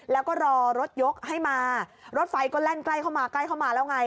แล้วก็รอรถยกให้มารถไฟก็แล่นใกล้เข้ามาแล้วไง